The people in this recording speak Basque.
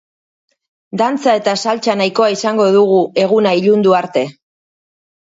Dantza eta saltsa nahikoa izango dugu eguna ilundu arte.